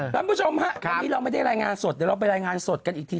คุณผู้ชมฮะวันนี้เราไม่ได้รายงานสดเดี๋ยวเราไปรายงานสดกันอีกที